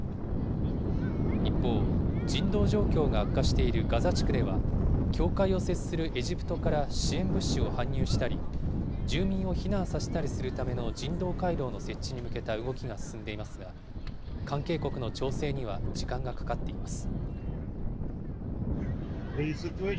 一方、人道状況が悪化しているガザ地区では、境界を接するエジプトから支援物資を搬入したり、住民を避難させたりするための人道回廊の設置に向けた動きが進んでいますが、関係国の調整には時間がかかっています。